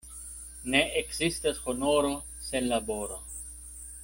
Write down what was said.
Ne ekzistas honoro sen laboro.